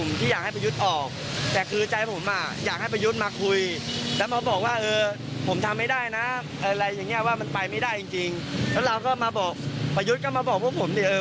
ไม่ใช่ประชาธิปไตรไม่ใช่มาเรียกรอบประชาธิปไตร